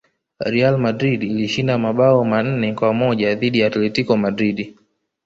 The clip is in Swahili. real madrid ilishinda mabao manne kwa moja dhidi ya atletico madrid